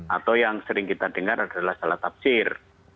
atau yang sering kita dengar adalah salah tafsir